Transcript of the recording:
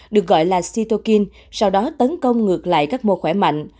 được gọi là cytokine sau đó tấn công ngược lại các mô khỏe mạnh